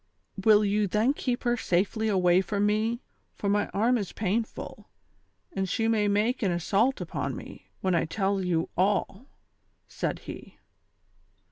203 "Will you then keep lier safely away from me, for my arm is painful, and she may make an assault upon me, when I tell you all V " said he.